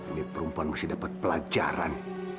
ini perempuan mesti dapat pelajaran